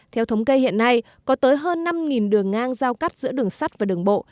theo thống kê hiện nay có tới hơn năm đường ngang giao cắt giữa đường sắt và đường bộ